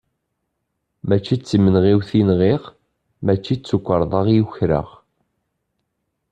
Mačči d timenɣiwt i nɣiɣ, mačči d tukarḍa i ukreɣ.